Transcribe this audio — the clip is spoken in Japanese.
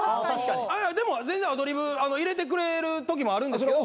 でも全然アドリブ入れてくれるときもあるんですけど。